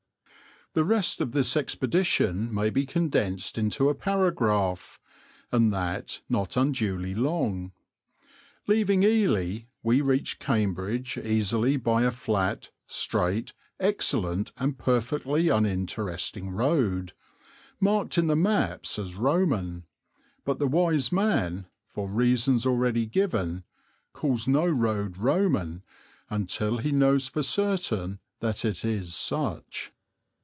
The rest of this expedition may be condensed into a paragraph, and that not unduly long. Leaving Ely we reached Cambridge easily by a flat, straight, excellent, and perfectly uninteresting road, marked in the maps as Roman; but the wise man, for reasons already given, calls no road Roman until he knows for certain that it is such.